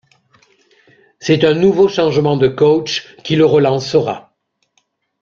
C'est un nouveau changement de coach qui le relancera.